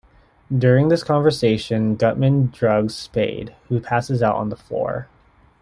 During this conversation, Gutman drugs Spade, who passes out on the floor.